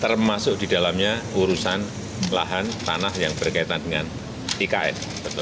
termasuk di dalamnya urusan lahan tanah yang berkaitan dengan ikn